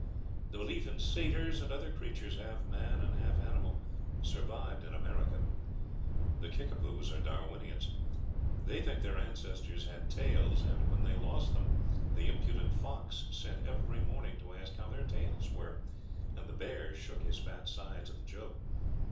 The belief in satyrs, and other creatures half man and half animal, survived in America. The Kickapoos are Darwinians. "They think their ancestors had tails, and when they lost them the impudent fox sent every morning to ask how their tails were, and the bear shook his fat sides at the joke."